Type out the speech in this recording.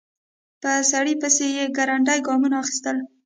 په سړي پسې يې ګړندي ګامونه اخيستل.